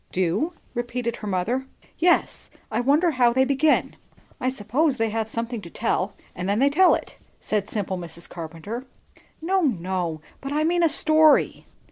"Do?" repeated her mother. "Yes. I wonder how they begin." "I suppose they have something to tell; and then they tell it," said simple Mrs. Carpenter. "No, no, but I mean a story."